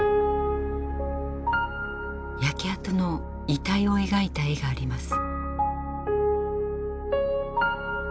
焼け跡の遺体を描いた絵があります。